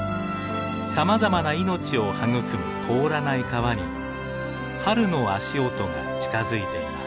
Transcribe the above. さまざまな命を育む凍らない川に春の足音が近づいています。